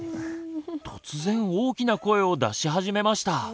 突然大きな声を出し始めました。